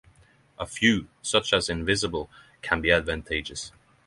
A few, such as invisible, can be advantageous.